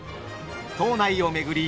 島内を巡り